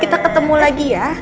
kita ketemu lagi ya